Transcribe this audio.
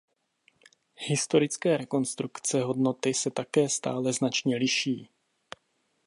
Historické rekonstrukce hodnoty se také stále značně liší.